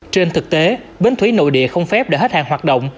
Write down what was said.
trên thực tế bến thủy nội địa không phép để hết hàng hoạt động